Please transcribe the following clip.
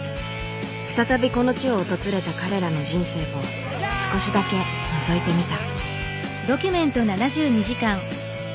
再びこの地を訪れた彼らの人生を少しだけのぞいてみた。